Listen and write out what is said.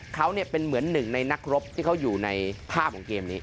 เขาเป็นเหมือนหนึ่งในนักรบที่เขาอยู่ในภาพของเกมนี้